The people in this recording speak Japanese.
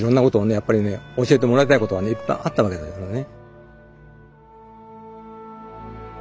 やっぱりね教えてもらいたいことはねいっぱいあったわけですからね。